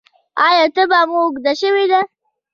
ایا تبه مو اوږده شوې ده؟